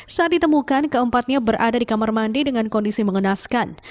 saat ditemukan keempatnya berada di kamar mandi dengan kondisi mengenaskan